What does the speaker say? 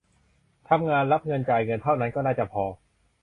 ทำงาน รับเงิน จ่ายเงิน เท่านั้นก็น่าจะพอ